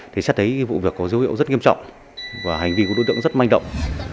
thì xét thấy vụ việc có dấu hiệu rất nghiêm trọng và hành vi của đối tượng rất manh động